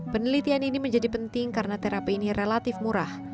penelitian ini menjadi penting karena terapi ini relatif murah